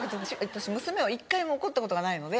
私娘を１回も怒ったことがないので。